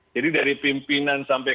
jadi dari pimpinan sampai